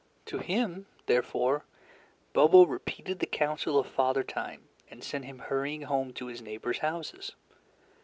To him, therefore, Bobo repeated the counsel of Father Time, and sent him hurrying home to his neighbors' houses.